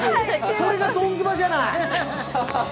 それがドンズバじゃない。